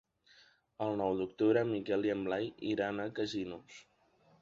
El nou d'octubre en Miquel i en Blai iran a Casinos.